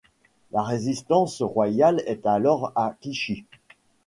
La résidence royale est alors à Clichy.